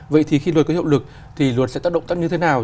vậy thì khi luật có hiệu lực thì luật sẽ tác động tắt như thế nào